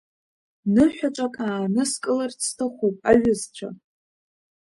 Ныҳәаҿак ааныскыларц сҭахуп, аҩызцәа!